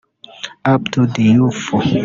Abdou Diouf